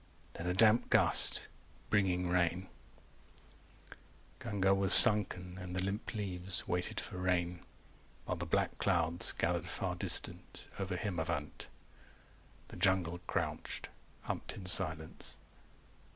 Then a damp gust Bringing rain Ganga was sunken, and the limp leaves 395 Waited for rain, while the black clouds Gathered far distant, over Himavant. The jungle crouched, humped in silence.